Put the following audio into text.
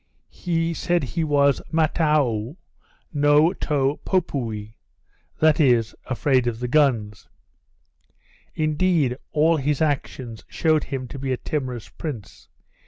He said he was, mataou no to poupoue, that is, afraid of the guns. Indeed all his actions shewed him to be a timorous prince.